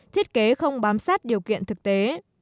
thiết kế không bám sát điều kiện thực tế